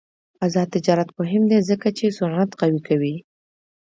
آزاد تجارت مهم دی ځکه چې صنعت قوي کوي.